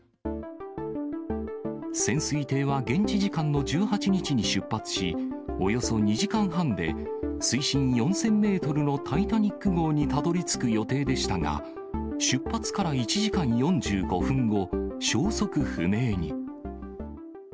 潜水艇は現地時間の１８日に出発し、およそ２時間半で水深４０００メートルのタイタニック号にたどりつく予定でしたが、出発から１時間４５分後、消息不明に。